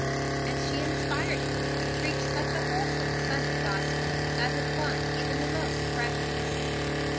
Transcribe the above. And she inspired him to preach such a wholesome, sunny Gospel that it won even the most prejudiced.